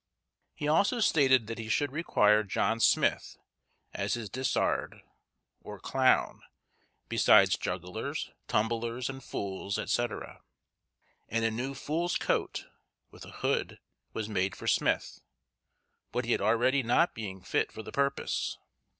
He also stated he should require John Smyth, as his disard, or clown; besides jugglers, tumblers, and fools, &c. and a new fool's coat, with a hood, was made for Smyth, what he had already not being fit for the purpose.